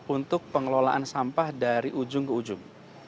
untuk pengelolaan sampah dari ujung ke ujung